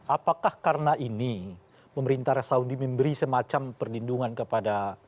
apakah karena ini pemerintah saudi memberi semacam perlindungan kepada